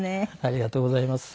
ありがとうございます。